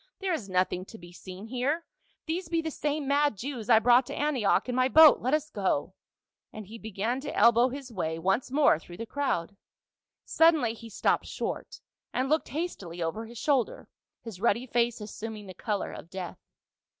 " There is nothing to be seen here ; these be the same mad Jews I brought to Antioch in my boat. Let us go." And he began to elbow his way once more through the crowd. Suddenly he stopped short, and looked hastily over his shoulder, his ruddy face assuming the color of death.